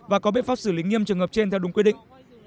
và có biện pháp xử lý nghiêm trường hợp trên theo đúng quy định